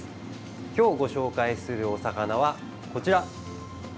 今日ご紹介するお魚は、こちら。